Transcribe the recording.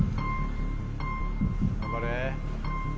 頑張れ。